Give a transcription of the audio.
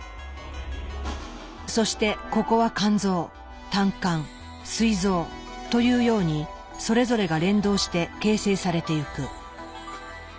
そしてここは肝臓胆管すい臓というようにそれぞれが連動して形成されてゆく。